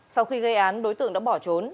sau khi gây án đối tượng đã bỏ trốn